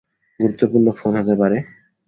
গুরুত্বপূর্ণ ফোন হতে পারে।